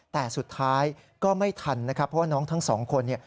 แต่สุดท้ายก็ไม่ทันนะครับเพราะว่าน้องทั้งสองคน